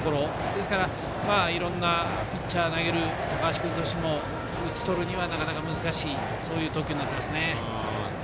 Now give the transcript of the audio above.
ですからいろんなピッチャーがいる高橋君としても打ち取るには難しい投球になっています。